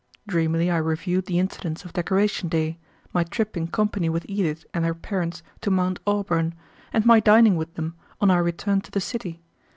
Dreamily I reviewed the incidents of Decoration Day, my trip in company with Edith and her parents to Mount Auburn, and my dining with them on our return to the city.